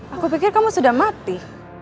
aku pikir kamu sudah mati